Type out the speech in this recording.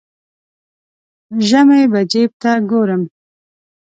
ژمی به جیب ته ګورم.